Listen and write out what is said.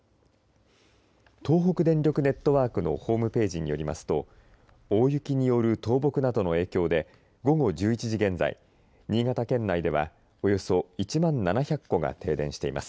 東北電力ネットワークのホームページによりますと大雪による倒木などの影響で午後１１時現在新潟県内では、およそ１万７００戸が停電しています。